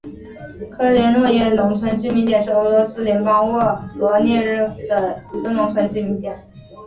科连诺耶农村居民点是俄罗斯联邦沃罗涅日州卡拉切耶夫斯基区所属的一个农村居民点。